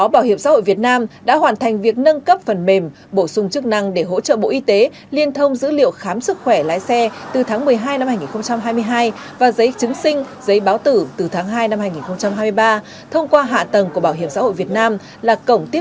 bảo hiểm xã hội việt nam đã hoàn thành việc nâng cấp phần mềm bổ sung chức năng để hỗ trợ bộ y tế liên thông dữ liệu khám sức khỏe lái xe từ tháng một mươi hai năm hai nghìn hai mươi hai và giấy chứng sinh giấy báo tử từ tháng một mươi hai năm hai nghìn hai mươi ba thông qua hạ tầng của bảo hiểm y tế